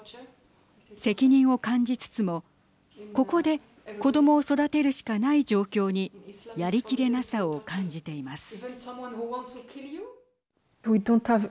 責任を感じつつもここで子どもを育てるしかない状況にやりきれなさを感じています。